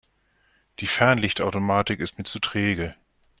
Die Fernlichtautomatik ist mir zu träge.